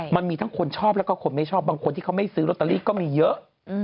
มันมีทั้งคนชอบแล้วก็คนไม่ชอบบางคนที่เขาไม่ซื้อลอตเตอรี่ก็มีเยอะ